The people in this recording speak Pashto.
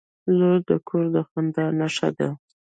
• لور د کور د خندا نښه ده.